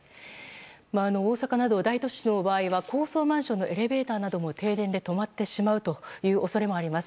大阪など大都市の場合は高層マンションのエレベーターなどは停電で止まってしまう恐れもあります。